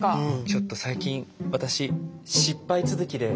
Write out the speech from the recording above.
ちょっと最近私失敗続きで。